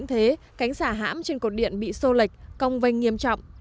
trên cột điện bị sô lệch công vanh nghiêm trọng